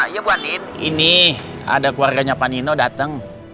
ya bu andin ini ada keluarganya pak nino datang